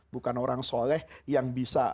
bukan orang soleh yang bisa